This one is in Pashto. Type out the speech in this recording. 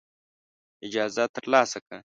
اجازه ترلاسه کړه.